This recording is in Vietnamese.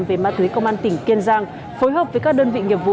về ma túy công an tỉnh kiên giang phối hợp với các đơn vị nghiệp vụ